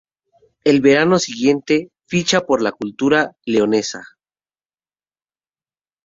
El verano siguiente ficha por la Cultural Leonesa.